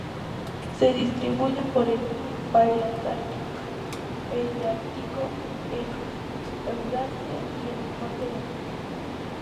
Se distribuyen por el paleártico en Eurasia y en el norte de África.